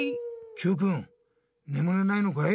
Ｑくんねむれないのかい？